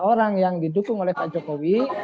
orang yang didukung oleh pak jokowi